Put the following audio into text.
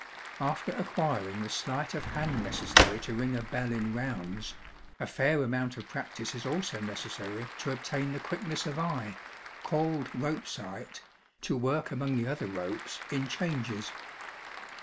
After acquiring the sleight of hand necessary to ring a bell in rounds, a fair amount of practice is also necessary to obtain the quickness of eye called 'rope sight' to work among the other ropes, in changes.